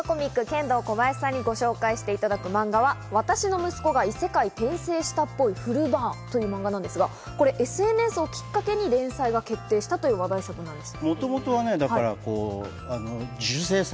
ケンドーコバヤシさんにご紹介していただくマンガは『私の息子が異世界転生したっぽいフルｖｅｒ．』なのですが、これＳＮＳをきっかけに連載が決定したという話題作なんです。